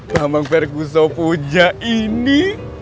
bambang perguso punya ini